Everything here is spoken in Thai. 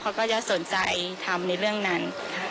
เขาก็จะสนใจทำในเรื่องนั้น